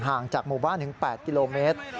ห่างจากหมู่บ้านถึง๘กิโลเมตร